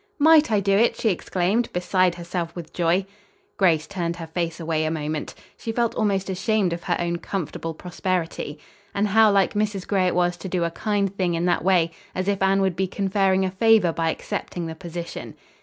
"Might I do it?" she exclaimed, beside herself with joy. Grace turned her face away a moment. She felt almost ashamed of her own comfortable prosperity. And how like Mrs. Gray it was to do a kind thing in that way, as if Anne would be conferring a favor by accepting the position.